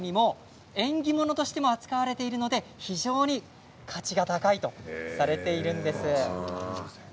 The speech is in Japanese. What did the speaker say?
中国では食べる以外にも縁起物として扱われているので非常に価値が高いとされているんです。